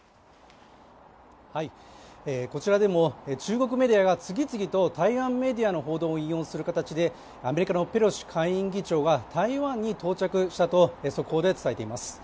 こちらでも中国メディアが次々と台湾メディアの報道を引用する形で、アメリカのペロシ下院議長が台湾に到着したと速報で伝えています。